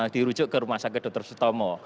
dirujuk ke rumah sakit dokter sito mo